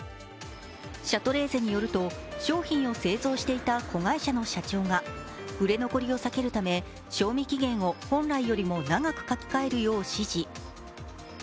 シャトレーゼによると商品を製造していた子会社の社長が売れ残りを避けるため、賞味期限を本来よりも長く書き換えるよう指示。